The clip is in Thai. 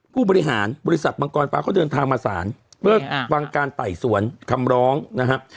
ผู้บริหารบริษัทมังกรฟ้าเขาเดินทางมาศาลเพื่อฟังการไต่สวนคำร้องนะครับ